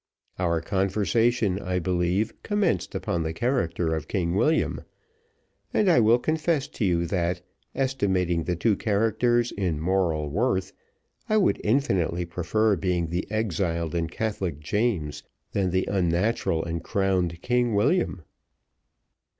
Our conversation, I believe, commenced upon the character of King William; and I will confess to you, that estimating the two characters in moral worth, I would infinitely prefer being the exiled and Catholic James than the unnatural and crowned King William?"